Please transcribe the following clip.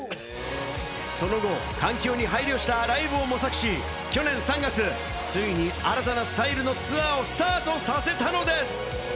その後、環境に配慮したライブを模索し、去年３月、ついに新たなスタイルのツアーをスタートさせたのです。